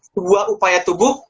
sebuah upaya tubuh